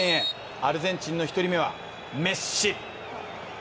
アルゼンチンの１人目は、メッシ。